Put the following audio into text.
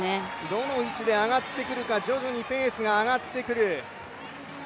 どの位置で上がってくるか徐々にペースが上がってくる。